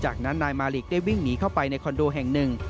จากนั้นนายมาลิกได้วิ่งหนีเข้าไปในคอนโดแห่งหนึ่ง